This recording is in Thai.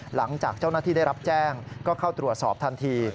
หลังจากเจ้าหน้าที่ได้รับแจ้งก็เข้าตรวจสอบทันที